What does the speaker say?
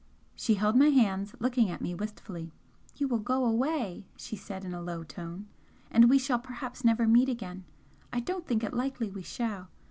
She held my hands, looking at me wistfully. "You will go away," she said, in a low tone "and we shall perhaps never meet again. I don't think it likely we shall.